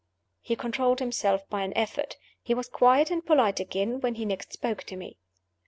He controlled himself by an effort he was quiet and polite again when he next spoke to me.